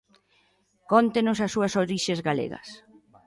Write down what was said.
Cóntenos as súas orixes galegas.